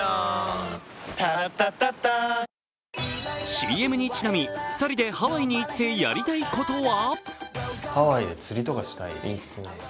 ＣＭにちなみ、２人でハワイに行ってやりたいことは？